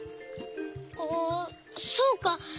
あそうか。